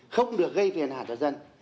không được gây phiền hạn cho dân